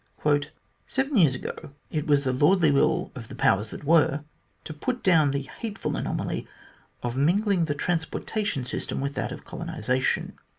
" Seven years ago it was the lordly will of the powers that were to put down the hateful anomaly of mingling the transportation system with that of colonisation.